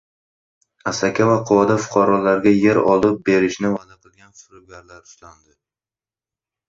Asaka va Quvada fuqarolarga yer olib berishni va’da qilgan firibgarlar ushlandi